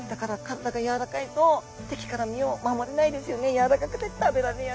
柔らかくて食べられやすい！